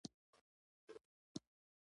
زما د کالیو د لطافت او ملاحت څخه